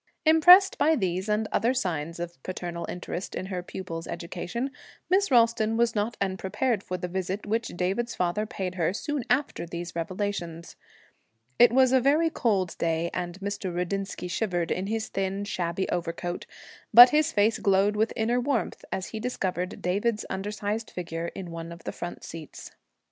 Impressed by these and other signs of paternal interest in her pupil's education, Miss Ralston was not unprepared for the visit which David's father paid her soon after these revelations. It was a very cold day, and Mr. Rudinsky shivered in his thin, shabby overcoat; but his face glowed with inner warmth as he discovered David's undersized figure in one of the front seats.